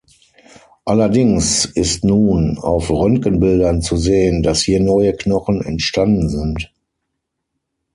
Allerdings ist nun auf Röntgenbildern zu sehen, dass hier neue Knochen entstanden sind.